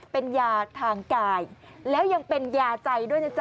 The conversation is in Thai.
เป็นยาทางกายแล้วยังเป็นยาใจด้วยนะจ๊